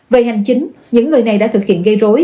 về hành chính những người này đã thực hiện gây rối